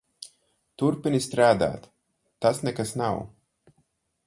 Turpini strādāt. Tas nekas nav.